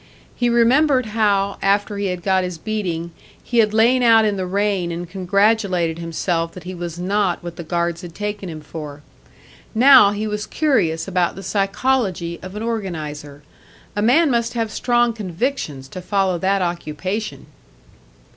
He remembered how, after he had got his beating, he had lain out in the rain and congratulated himself that he was not what the guards had taken him for. Now he was curious about the psychology of an organiser. A man must have strong convictions to follow that occupation!